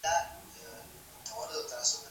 تاسي ولي په دغي توره لاري کي یوازي روان سواست؟